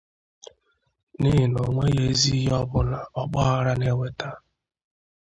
n'ihi na o nweghị ezi ihe ọbụla ọgbaghara na-eweta